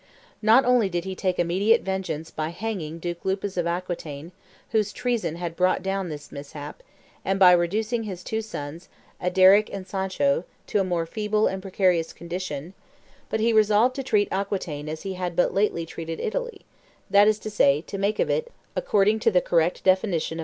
Not only did he take immediate vengeance by hanging Duke Lupus of Aquitaine, whose treason had brought down this mishap, and by reducing his two sons, Adairic and Sancho, to a more feeble and precarious condition, but he resolved to treat Aquitaine as he had but lately treated Italy, that is to say, to make of it, according to the correct definition of M.